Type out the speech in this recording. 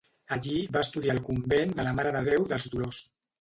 Allí va estudiar al Convent de la Mare de Déu dels Dolors.